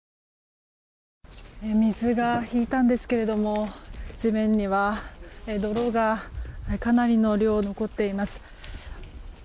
水が引いたんですけれども地面には泥がかなりの量、残っています。